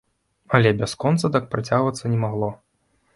Але бясконца так працягвацца не магло.